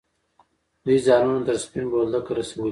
دوی ځانونه تر سپین بولدکه رسولي.